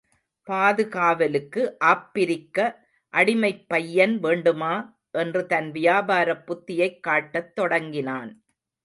பாதுகாவலுக்கு ஆப்பிரிக்க அடிமைப் பையன் வேண்டுமா? என்று தன் வியாபாரத் புத்தியைக் காட்டத் தொடங்கினான்.